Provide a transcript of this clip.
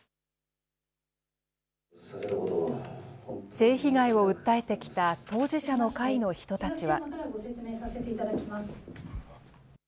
性被害を訴えてきた当事者の会の人たちは。